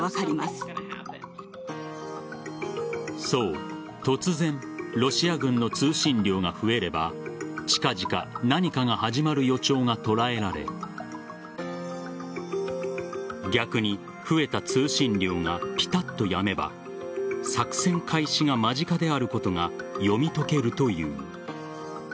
そう、突然ロシア軍の通信量が増えれば近々、何かが始まる予兆が捉えられ逆に、増えた通信量がピタッとやめば作戦開始が間近であることが読み解けるという。